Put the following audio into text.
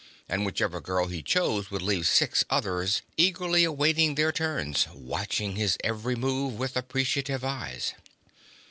And whichever girl he chose would leave six others eagerly awaiting their turns, watching his every move with appreciative eyes.